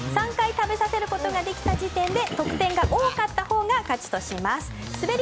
３回食べさせることができた時点で得点が多かった方が勝ちとします。